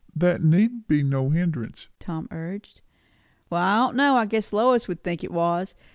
"That need be no hindrance," Tom urged. "Well, I don' know. I guess Lois would think it was.